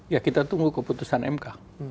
ya kita tunggu keputusan mk